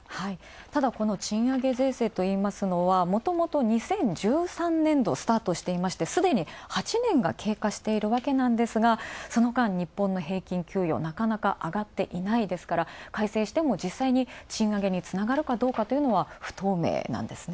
ただこの賃上げといいますのは、もともと２０１３年度スタートしていましてすでに８年が経過しているわけなんですが、その間、日本の平均給与、なかなか上がっていないですから改正しても実際に、なかなか賃上げにつながるかというのは不透明なんですね。